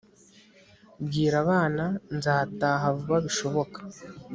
bwira abana nzataha vuba bishoboka